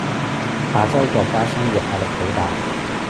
亞洲國家生活壓力好大